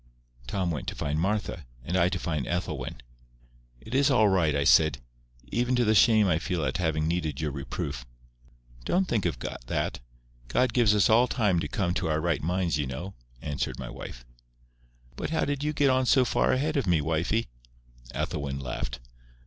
Tom went to find Martha, and I to find Ethelwyn. "It is all right," I said, "even to the shame I feel at having needed your reproof." "Don't think of that. God gives us all time to come to our right minds, you know," answered my wife. "But how did you get on so far a head of me, wifie?" Ethelwyn laughed.